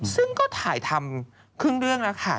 ซึ่งก็ถ่ายทำครึ่งเรื่องแล้วค่ะ